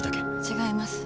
違います。